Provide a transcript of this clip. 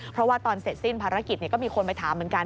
เพราะว่าตอนเสร็จสิ้นภารกิจก็มีคนไปถามเหมือนกัน